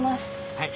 はい。